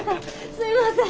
すいません。